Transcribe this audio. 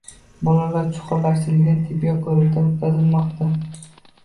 Bolalar chuqurlashtirilgan tibbiy ko‘rikdan o‘tkazilmoqda